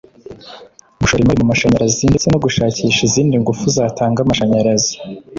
gushora imari mu mashanyarazi ndetse no gushakisha izindi ngufu zatanga amashanyarazi